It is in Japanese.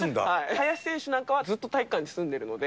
林選手なんかはずっと体育館に住んでいるので。